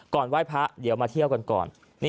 ไหว้พระเดี๋ยวมาเที่ยวกันก่อน